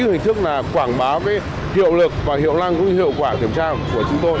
hình thức quảng báo hiệu lực và hiệu lăng cũng như hiệu quả kiểm tra của chúng tôi